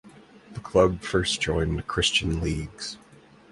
The club first joined Christian leagues.